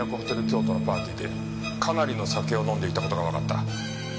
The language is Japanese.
京都のパーティーでかなりの酒を飲んでいた事がわかった。